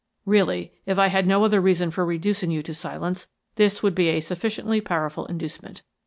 Really, if I had no other reason for reducing you to silence, this would be a sufficiently powerful inducement.